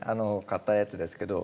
買ったやつですけど。